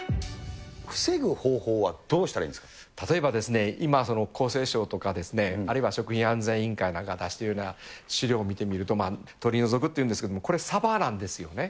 防ぐ方法はどうしたらいいん例えばですね、今、厚生省とかですね、あるいは食品安全委員会が出しているような資料を見てみると、取り除くというんですけれども、これ、サバなんですよね。